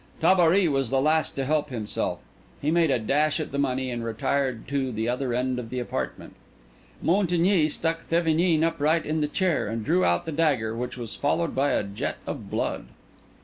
Tabary was the last to help himself; he made a dash at the money, and retired to the other end of the apartment. Montigny stuck Thevenin upright in the chair, and drew out the dagger, which was followed by a jet of blood.